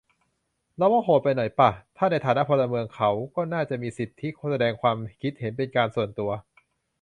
เราว่าโหดไปหน่อยป่ะ ถ้าในฐานะพลเมือง เขาก็น่าจะมีสิทธิแสดงความคิดเห็นเป็นการส่วนตัว